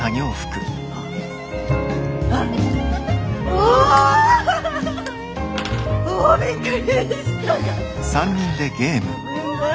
お！おびっくりした。